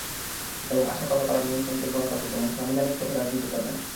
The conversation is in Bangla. এবং আশা করব তাঁরা নিয়মতান্ত্রিক, গণতান্ত্রিক এবং সাংবিধানিক পথে রাজনীতি করবেন।